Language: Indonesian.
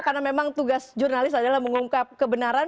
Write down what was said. karena memang tugas jurnalis adalah mengungkap kebenaran